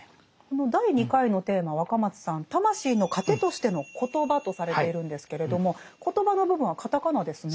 第２回のテーマ若松さん「魂の糧としてのコトバ」とされているんですけれども「コトバ」の部分はカタカナですね。